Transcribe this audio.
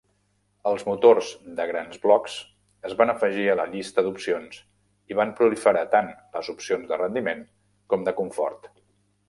Els motors de grans blocs es van afegir a la llista d'opcions i van proliferar tant les opcions de rendiment com de confort.